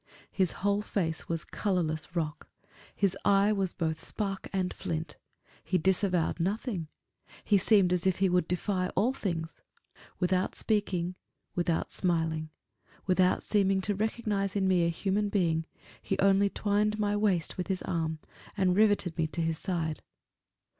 His whole face was colorless rock; his eye was both spark and flint. He disavowed nothing; he seemed as if he would defy all things. Without speaking, without smiling, without seeming to recognize in me a human being, he only twined my waist with his arm and riveted me to his side.